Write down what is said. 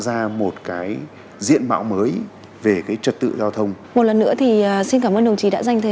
ra một cái diện mạo mới về cái trật tự giao thông một lần nữa thì xin cảm ơn đồng chí đã dành thêm